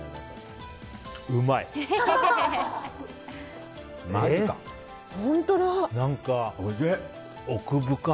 うまい。